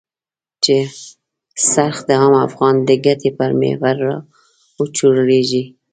چې څرخ د عام افغان د ګټې پر محور را وچورليږي.